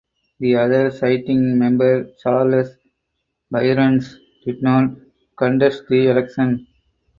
The other sitting member Charles Byrnes did not contest the election.